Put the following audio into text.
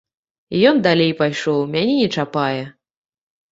І ён далей пайшоў, мяне не чапае.